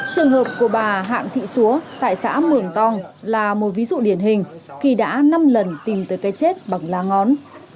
trường hợp của bà hạng thị xúa tại xã mường tong là một ví dụ điển hình khi đã năm lần tìm tới cái chết bằng lá ngón